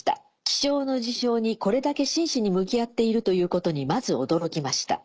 気象の事象にこれだけ真摯に向き合っているということにまず驚きました。